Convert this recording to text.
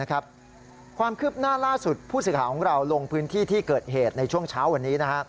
ความคืบหน้าล่าสุดผู้สื่อข่าวของเราลงพื้นที่ที่เกิดเหตุในช่วงเช้าวันนี้